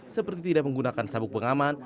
seperti tidak menggunakan sabuk pengaman